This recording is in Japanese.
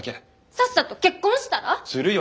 さっさと結婚したら？するよ。